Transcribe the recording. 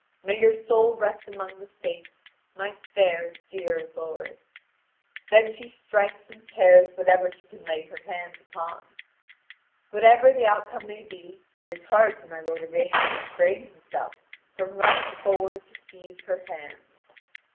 May your soul rest among the saints, my fair dear lord." Then she strikes and tears whatever she can lay her hands upon. Whatever the outcome may be, it is hard for my lord Yvain to restrain himself from running forward to seize her hands.